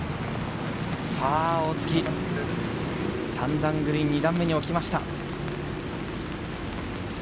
さぁ大槻、３段グリーンの２段目に置きました。